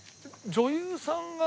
女優さんが？